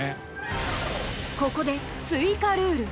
ここで追加ルール。